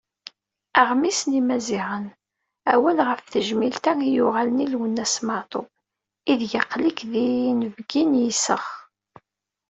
Aɣmis n Yimaziɣen: "Awal ɣef tejmilt-a i yuɣalen i Lwennas MeƐtub, ideg aql-ik d inebgi n yiseɣ".